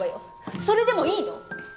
それでもいいの？